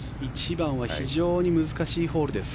１番は非常に難しいホールです。